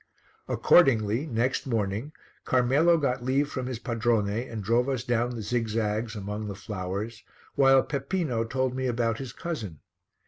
Accordingly next morning Carmelo got leave from his padrone and drove us down the zig zags among the flowers while Peppino told me about his cousin.